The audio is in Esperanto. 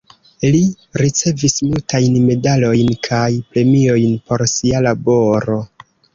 Li ricevis multajn medalojn kaj premiojn por sia laboro.